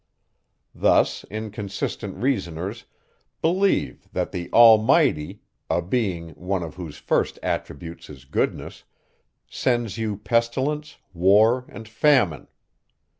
Thus, inconsistent reasoners, believe, that the Almighty (a Being, one of whose first attributes is goodness,) sends you pestilence, war, and famine!